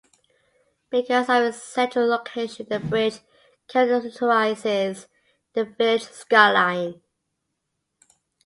Because of its central location, the bridge characterizes the village skyline.